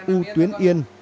u tuyến yên